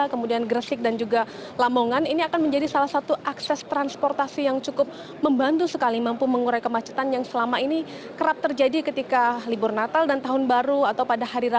kemudian gresik dan juga lamongan ini akan menjadi salah satu akses transportasi yang cukup membantu sekali mampu mengurai kemacetan yang selama ini kerap terjadi ketika libur natal dan tahun baru atau pada hari raya